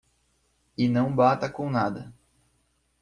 E não bata com nada.